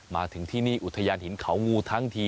มาถึงที่นี่อุทยานหินเขางูทั้งที